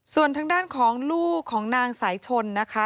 ส่วนทางด้านของลูกของนางสายชนนะคะ